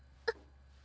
あっ！